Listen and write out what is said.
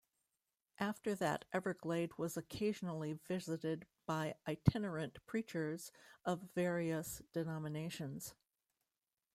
After that Everglade was occasionally visited by itinerant preachers of various denominations.